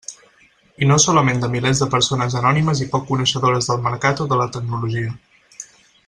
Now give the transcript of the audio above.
I no solament de milers de persones anònimes i poc coneixedores del mercat o de la tecnologia.